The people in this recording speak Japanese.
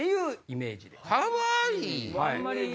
イメージ？